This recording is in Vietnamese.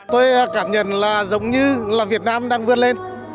tôi cảm nhận là giống như là việt nam đang vươn lên